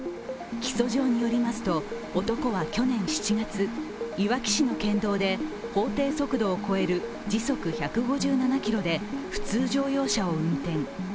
起訴状によりますと、男は去年７月、いわき市の県道で法定速度を超える時速１５７キロで普通乗用車を運転。